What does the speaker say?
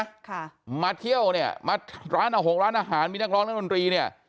ค่ะมาเที่ยวเนี่ยมาร้านเอาหกร้านอาหารมีนักร้องนักดนตรีเนี้ย